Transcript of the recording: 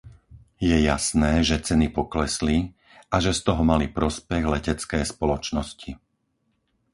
Je jasné, že ceny poklesli a že z toho mali prospech letecké spoločnosti.